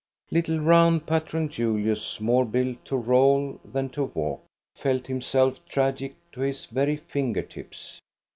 Little, round Patron Julius, more built to roll than to walk, felt himself tragic to his very finger tips.